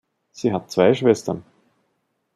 Sie hat zwei Schwestern.